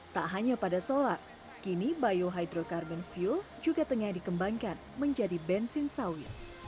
tak hanya pada solar kini biohydrocarbon fuel juga tengah dikembangkan menjadi bensin segar